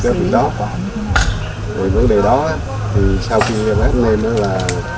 thực hiện cái vụ đó vụ vấn đề đó sau khi phát lên đó là